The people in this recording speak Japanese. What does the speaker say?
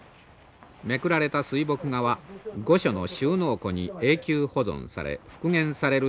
めくられた水墨画は御所の収納庫に永久保存され復元される